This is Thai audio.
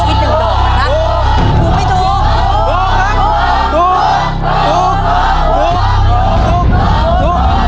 พี่โอ้กำลังมาเป็นแถวไปครับ